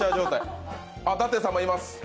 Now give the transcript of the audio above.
舘様います。